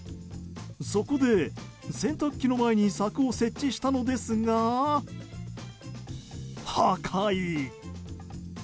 そこで、洗濯機の前に柵を設置したのですが破壊。